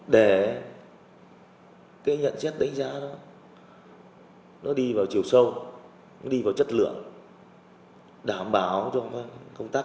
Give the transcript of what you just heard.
để cái nhận xét đánh giá nó đi vào chiều sâu nó đi vào chất lượng đảm bảo cho công tác